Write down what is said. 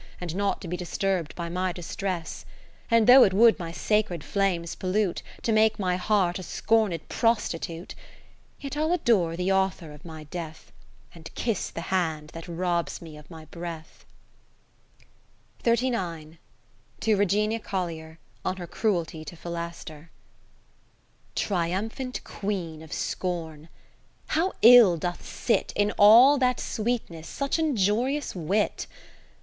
And not to be disturb'd by my distress. And though it would my sacred flames pollute, To make my heart ?. scorned pros titute ; 50 Yet I'll adore the author of my death, And kiss the hand that robs me of my breath. To Regina Collier, on her cruelty to Philaster Triumphant Queen of scorn ! how ill doth sit In all that sweetness, such injurious Wit